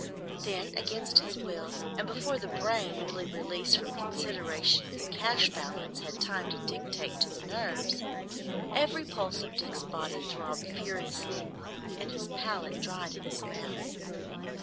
Then, against his will, and before the brain newly released from considerations of the cash balance had time to dictate to the nerves, every pulse of Dick's body throbbed furiously and his palate dried in his mouth.